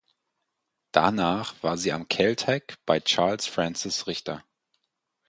Danach war sie am Caltech bei Charles Francis Richter.